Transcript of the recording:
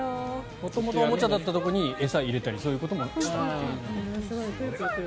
元々おもちゃだったところに餌を入れたりそういうこともしたと。